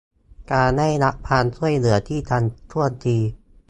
การได้รับความช่วยเหลือที่ทันท่วงที